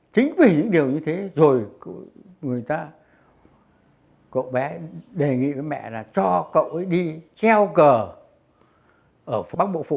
chính vì những điều như thế rồi người ta cậu bé đề nghị với mẹ là cho cậu ấy đi treo cờ ở bắc bộ phụ